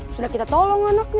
sudah kita tolong anaknya